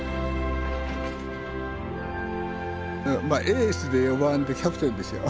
エースで４番でキャプテンですよ。